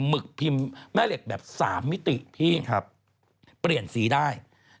หึกพิมพ์แม่เหล็กแบบ๓มิติพี่เปลี่ยนสีได้